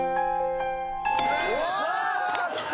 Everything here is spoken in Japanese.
さあきた。